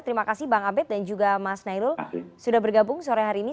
terima kasih bang abed dan juga mas nailul sudah bergabung sore hari ini